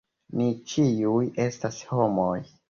Ni ĉiuj estas homoj.